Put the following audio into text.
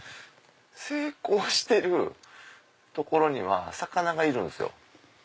成功してる所には魚がいるんですよ